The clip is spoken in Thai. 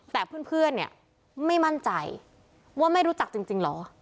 แต่เพื่อนเนี่ยไม่มั่นใจว่าไม่รู้จักจริงเหรอ